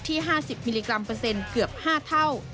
๕๐มิลลิกรัมเปอร์เซ็นต์เกือบ๕เท่า